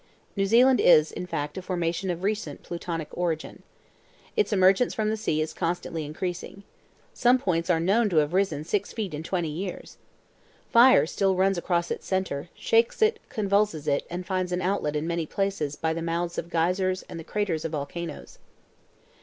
New Zealand is, in fact, a formation of recent plutonic origin. Its emergence from the sea is constantly increasing. Some points are known to have risen six feet in twenty years. Fire still runs across its center, shakes it, convulses it, and finds an outlet in many places by the mouths of geysers and the craters of volcanoes.